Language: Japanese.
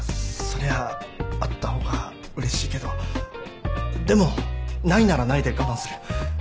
そりゃあったほうがうれしいけどでもないならないで我慢する。